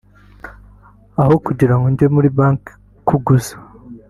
aho kugira ngo njye muri banki kuguza